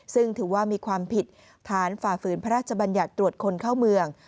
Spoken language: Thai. ซึ่งถือว่ามีความผิดฐานฝ่าฝืนพระราชบัญญัติตรวจคนเข้าเมือง